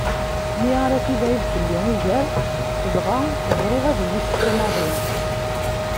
Mi ara tibɛid fell-i ugar dɣa ẓriɣ ad iyi-tettu maḍi.